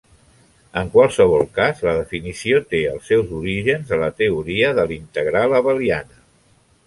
En qualsevol cas, la definició té els seus orígens a la teoria de l"integral abeliana.